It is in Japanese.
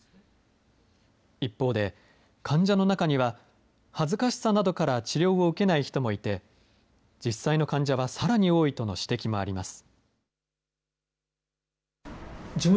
一方で、患者の中には恥ずかしさなどから治療を受けない人もいて、実際の患者はさらに多いとの指摘もあります。